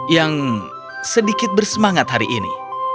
yang sedikit bersemangat hari ini